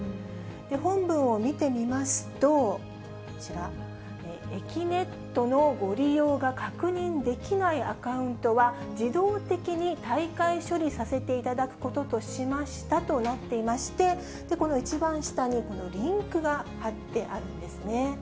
本文を見てみますと、こちら、えきねっとのご利用が確認できないアカウントは、自動的に退会処理させていただくこととしましたとなっていまして、この一番下にリンクが貼ってあるんですね。